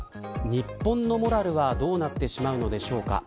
日本のモラルはどうなってしまうのでしょうか。